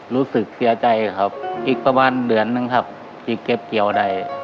รู้สึกเสียใจครับอีกประมาณเดือนนึงครับที่เก็บเกี่ยวได้